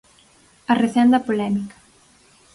Arrecende a polémica.